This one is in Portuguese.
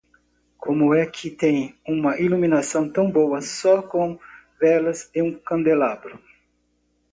Como é que tem um iluminação tão boa só com velas e um candelabro?